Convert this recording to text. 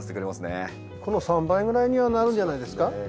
この３倍ぐらいにはなるんじゃないですか。